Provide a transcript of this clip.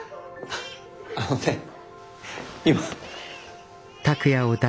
あのね今。